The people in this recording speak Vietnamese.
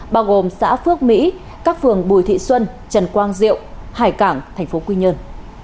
bao gồm xã phước mỹ các phường bùi thị xuân trần quang diệu hải cảng tp quy nhơn